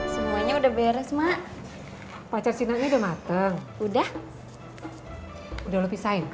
sambung ber analysts